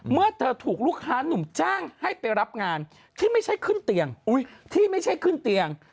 เมื่อเธอถูกลูกค้านุ่มจ้างให้ไปรับงานที่ไม่ใช่ขึ้นเตียง